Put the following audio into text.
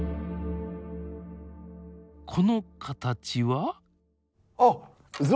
この形は。